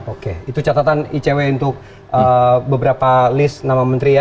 oke itu catatan icw untuk beberapa list nama menteri ya